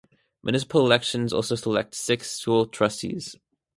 Municipal elections also select six school trustees.